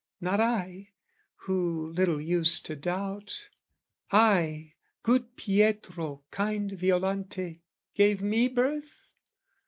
Not I, who little used to doubt...I Good Pietro, kind Violante, gave me birth?